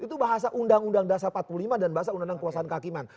itu bahasa undang undang dasar empat puluh lima dan bahasa undang undang kuasaan kehakiman